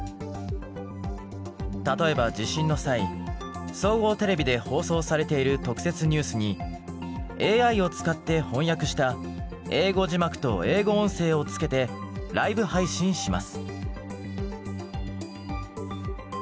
例えば地震の際総合テレビで放送されている特設ニュースにＡＩを使って翻訳した英語字幕と英語音声を付けてライブ配信します。